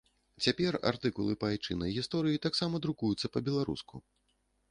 Цяпер артыкулы па айчыннай гісторыі таксама друкуюцца па-беларуску.